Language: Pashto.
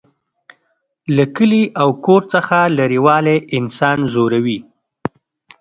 له کلي او کور څخه لرېوالی انسان ځوروي